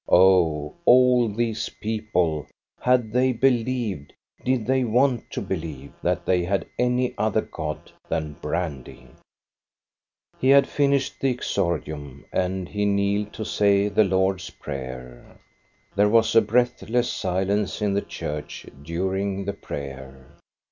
Oh, all these people, had they believed, did they want to believe, that they had any other God than brandy? He had finished the exordium, and he kneeled to say the Lord's Prayer. There was a breathless silence in the church during the prayer.